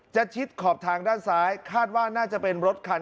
ชิดขอบทางด้านซ้ายคาดว่าน่าจะเป็นรถคัน